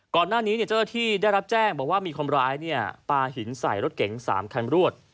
ก่อนหน้านี้เนี้ยเจ้าเจ้าที่ได้รับแจ้งบอกว่ามีความร้ายเนี้ยปลาหินใส่รถเก๋งสามคันรวด